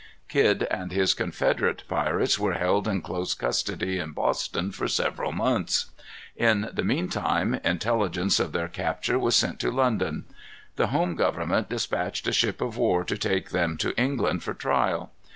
Kidd and his confederate pirates were held in close custody in Boston for several months. In the mean time intelligence of their capture was sent to London. The home government dispatched a ship of war to take them to England for trial.